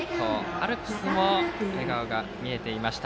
アルプスも笑顔が見えていました。